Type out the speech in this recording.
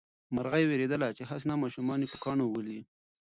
مرغۍ وېرېدله چې هسې نه ماشومان یې په کاڼو وولي.